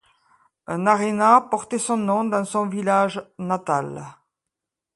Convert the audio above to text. Un aréna portait son nom dans son village natal.